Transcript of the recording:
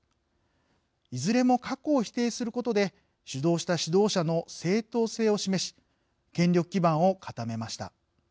いずれも過去を否定することで主導した指導者の正統性を示し権力基盤を固めました。